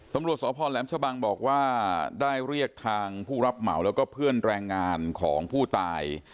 ตำรวจสพแหลมชะบังบอกว่าได้เรียกทางผู้รับเหมาแล้วก็เพื่อนแรงงานของผู้ตาย